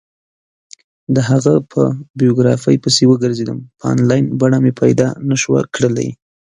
د هغه په بایوګرافي پسې وگرځېدم، په انلاین بڼه مې پیدا نه شوه کړلی.